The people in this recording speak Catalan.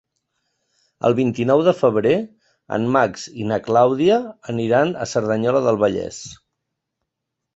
El vint-i-nou de febrer en Max i na Clàudia aniran a Cerdanyola del Vallès.